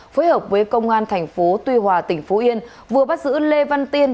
phối hợp với công an tp tuy hòa tỉnh phú yên vừa bắt giữ lê văn tiên